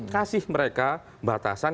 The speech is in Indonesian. kasih mereka batasan